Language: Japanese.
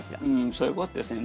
そういうことですね。